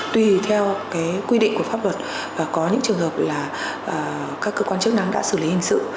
tùy theo quy định của pháp luật và có những trường hợp là các cơ quan chức năng đã xử lý hình sự